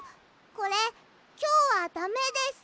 これきょうはダメです！